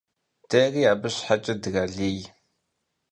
Дэри абы щхьэ дралей.